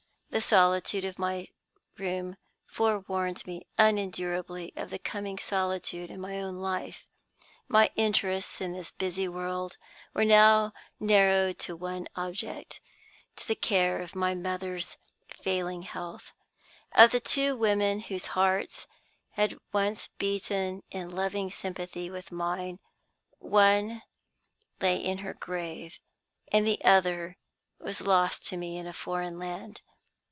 The solitude of my room forewarned me unendurably of the coming solitude in my own life. My interests in this busy world were now narrowed to one object to the care of my mother's failing health. Of the two women whose hearts had once beaten in loving sympathy with mine, one lay in her grave and the other was lost to me in a foreign land.